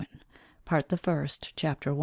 PART the FIRST. CHAPTER I.